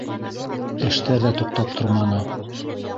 Эштәр ҙә туҡтап торманы.